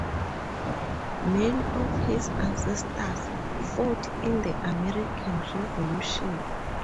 Many of his ancestors fought in the American Revolution.